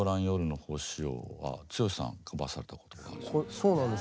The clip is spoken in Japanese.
そうなんです。